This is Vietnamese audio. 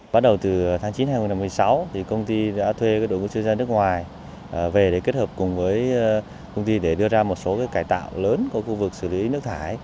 bắt đầu từ tháng chín một mươi sáu công ty đã thuê đội quốc gia dân nước ngoài về để kết hợp cùng với công ty để đưa ra một số cải tạo lớn của khu vực xử lý nước thải